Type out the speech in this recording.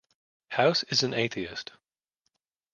House is an atheist.